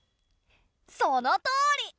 そのとおり。